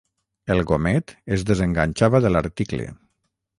El gomet es desenganxava de l'article.